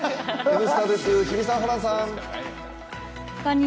「Ｎスタ」です、日比さん、ホランさん。